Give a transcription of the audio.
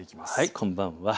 こんばんは。